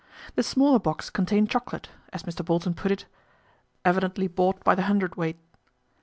The smaller box contained chocolates, as Mr. Bolton put it, " evidently bought by the hundred weight."